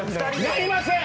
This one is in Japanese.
やりません。